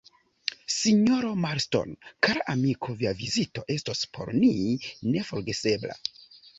Sinjoro Marston, kara amiko, via vizito estos por ni neforgesebla.